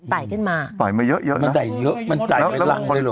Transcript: ไต่ขึ้นมาไต่มาเยอะเยอะนะมันไต่เยอะมันไต่ไปหลังได้หรอ